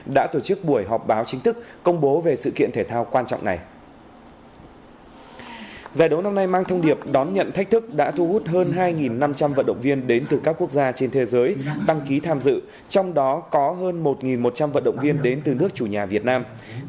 đã tổ chức buổi họp báo chính thức công bố về sự kiện thể thao quốc tế ironman bảy mươi ba việt nam hai nghìn hai mươi hai